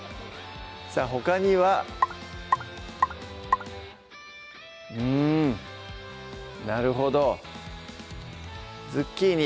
さぁほかにはうんなるほどズッキーニ